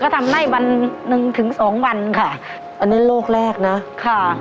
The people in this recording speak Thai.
ทำได้วันหนึ่งถึงสองวันค่ะอันนั้นโลกแรกนะค่ะ